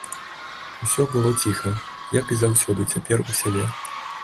Усё было ціха, як і заўсёды цяпер у сяле.